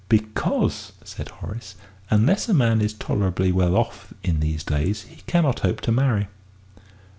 "Because," said Horace, "unless a man is tolerably well off in these days he cannot hope to marry."